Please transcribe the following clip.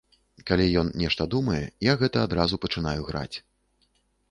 Калі ён нешта думае, я гэта адразу пачынаю граць.